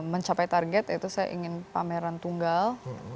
mencapai target yaitu saya ingin pameran tunggal